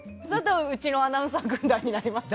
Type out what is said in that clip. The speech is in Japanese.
うちのアナウンサー軍団になりますよ。